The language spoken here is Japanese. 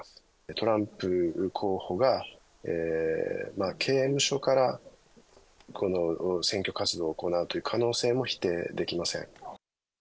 トランプ候補が刑務所から、選挙活動を行うという可能性も否定できません。